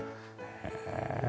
へえ。